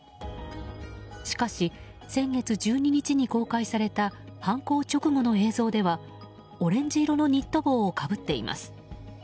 しかし、先月１２日に公開された犯行直後の映像ではオレンジ色のニット帽をかぶっています。